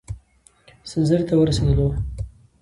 سنځري ته ورسېدلو.